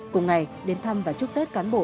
cùng ngày đến thăm và chúc tết cán bộ